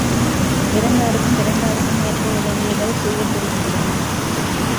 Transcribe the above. இரந்தாருக்கும், இறந்தாருக்கும் ஏற்ப உதவிகள் செய்யப் பெறுகின்றன.